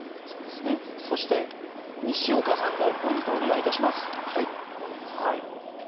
そして西岡さんもポイントをお願いします。